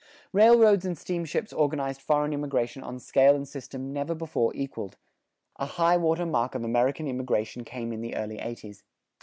Railroads and steamships organized foreign immigration on scale and system never before equaled; a high water mark of American immigration came in the early eighties.